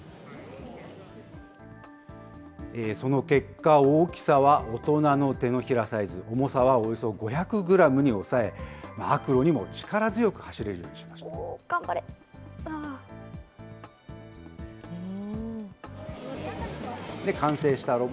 その結果、大きさは大人の手のひらサイズ、重さはおよそ５００グラムに抑え、悪路にも力強く走れるようにしました。